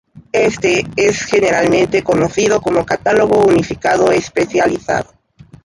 Éste es generalmente conocido como "Catálogo Unificado Especializado".